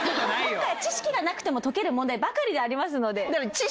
今回は知識がなくても解ける問題ばかりでありますので。